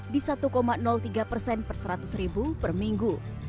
di satu tiga persen per seratus ribu per minggu